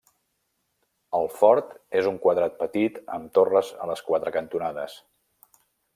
El fort és un quadrat petit amb torres a les quatre cantonades.